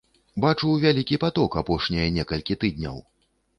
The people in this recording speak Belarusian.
Бачу вялікі паток апошнія некалькі тыдняў.